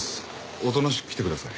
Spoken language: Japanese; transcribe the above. おとなしく来てください。